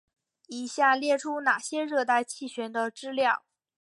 以下列出那些热带气旋的资料。